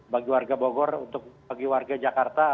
bagi warga bogor untuk bagi warga jakarta